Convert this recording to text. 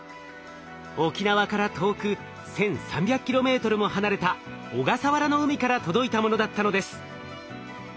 沖縄から遠く１，３００ｋｍも離れた小笠原の海から届いたものだったのです。